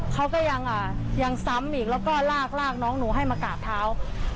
เขาก็ยังซ้ำอีกแล้วก็ลากลากน้องหนูให้มากราบเท้า